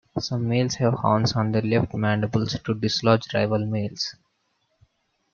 Some males have horns on their left mandibles to dislodge rival males.